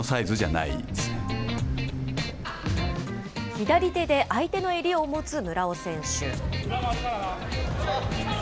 左手で相手の襟を持つ村尾選手。